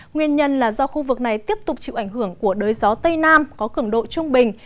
nguyên nhân là do khu vực này tiếp tục chịu ảnh hưởng của đới gió tây nam có cường độ trung bình